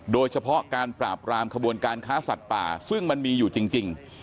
โดยเฉพาะการปราบรามขบวนการค้าสัตว์ป่าซึ่งมันมีอยู่จริง